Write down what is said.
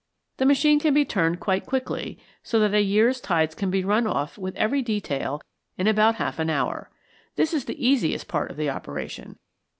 The machine can be turned quite quickly, so that a year's tides can be run off with every detail in about half an hour. This is the easiest part of the operation.